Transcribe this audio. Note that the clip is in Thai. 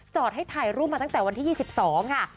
ให้ถ่ายรูปมาตั้งแต่วันที่๒๒ค่ะ